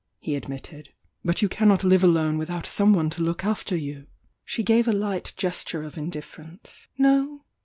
he admitted. "But you cannot live alone without some one to look after you!" She gave a light gesture of indifference. "No?